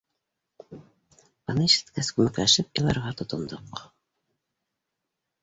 Быны ишеткәс, күмәкләшеп иларға тотондоҡ.